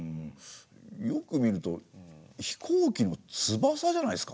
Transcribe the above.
よく見ると飛行機のつばさじゃないですか？